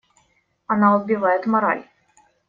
Она убивает мораль.